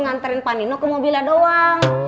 ngantarin pak nino ke mobilnya doang